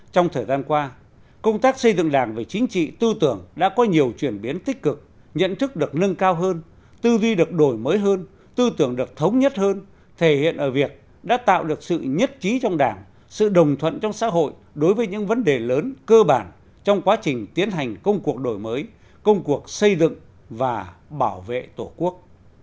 trong thời gian qua công tác xây dựng đảng về chính trị tư tưởng đã có nhiều chuyển biến tích cực nhận thức được nâng cao hơn tư duy được đổi mới hơn tư tưởng được thống nhất hơn thể hiện ở việc đã tạo được sự nhất trí trong đảng sự đồng thuận trong xã hội đối với những vấn đề lớn cơ bản trong quá trình tiến hành công cuộc đổi mới công cuộc xây dựng và bảo vệ tổ quốc